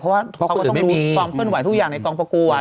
เพราะว่าเขาก็ต้องมีความเคลื่อนไหวทุกอย่างในกองประกวด